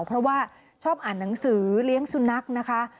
เพราะว่าชอบอ่านหนังสือเลี้ยงสุนัขนะคะ